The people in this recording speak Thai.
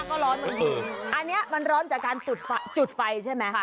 อันนี้มันร้อนจากการจุดไฟใช่ไหม